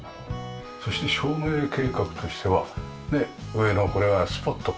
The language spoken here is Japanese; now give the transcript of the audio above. そして照明計画としては上のこれはスポットか。